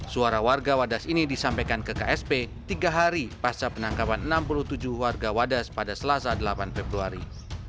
suara warga wadas ini disampaikan ke ksp tiga hari pasca penangkapan enam puluh tujuh warga wadas pada selasa delapan februari